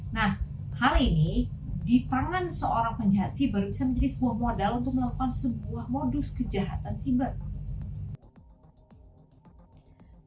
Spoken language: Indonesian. nah hal ini di tangan seorang penjahat siber bisa menjadi sebuah modal untuk melakukan sebuah modus kejahatan siber